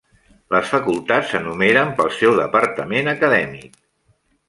Les facultats s'enumeren pel seu departament acadèmic.